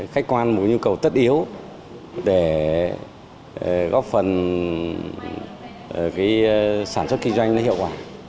khách quan một nhu cầu tất yếu để góp phần sản xuất kinh doanh hiệu quả